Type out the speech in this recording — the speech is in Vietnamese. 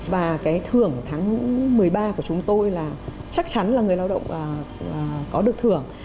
và cái thưởng tháng một mươi ba của chúng tôi là chắc chắn là người lao động có được thưởng